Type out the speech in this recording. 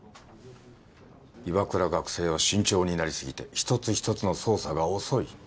岩倉学生は慎重になり過ぎて一つ一つの操作が遅い。